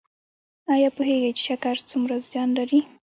ایا پوهیږئ چې شکر څومره زیان لري؟